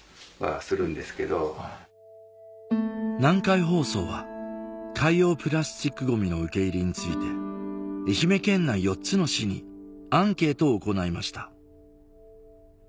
南海放送は海洋プラスチックゴミの受け入れについて愛媛県内４つの市にアンケートを行いました